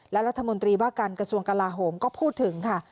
และรัฐมนตรีว่าการกระทรวงกลาโหมก็พูดถึงค่ะ